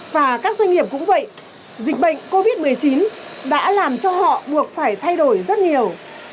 và các doanh nghiệp cũng vậy dịch bệnh covid một mươi chín đã làm cho họ buộc phải thay đổi rất nhiều